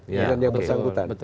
dengan yang bersangkutan